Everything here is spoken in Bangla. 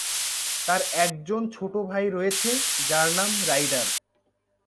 তার একজন ছোট ভাই রয়েছে, যার নাম রাইডার।